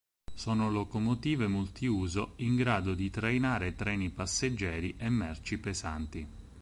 Sono locomotive multiuso in grado di trainare treni passeggeri e merci pesanti.